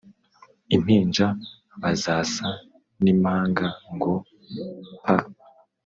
Impinja bazasa n'imipanga ngo pa